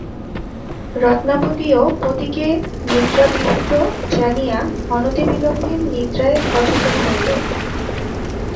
রত্নাবতীও পতিকে নিদ্রাভিভূত জানিয়া অনতিবিলম্বে নিদ্রায় অচেতন হইল।